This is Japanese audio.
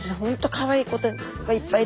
かわいい子がいっぱいで。